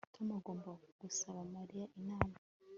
Tom agomba gusaba Mariya inama